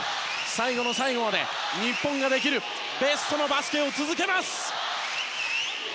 最後の最後まで日本のできるベストのバスケを続けます。